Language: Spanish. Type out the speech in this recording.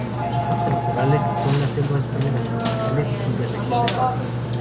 Sus hábitats naturales son las selvas húmedas tropicales y de regiones bajas.